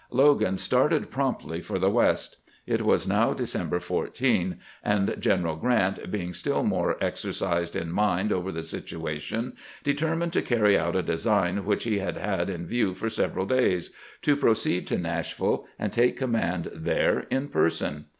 Logan started promptly for the West. It was now December 14 ; and General Grant, being still more exer cised in mind over the situation, determined to carry out a design which he had had in view for several days — to proceed to Nashville and take command there in person.